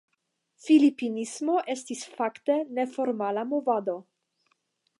Filipinismo estis fakte neformala movado.